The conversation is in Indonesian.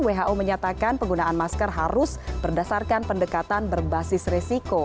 who menyatakan penggunaan masker harus berdasarkan pendekatan berbasis resiko